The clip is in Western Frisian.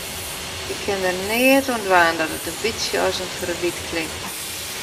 Ik kin der neat oan dwaan dat it in bytsje as in ferwyt klinkt.